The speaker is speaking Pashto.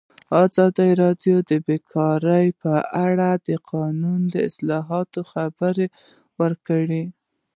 ازادي راډیو د بیکاري په اړه د قانوني اصلاحاتو خبر ورکړی.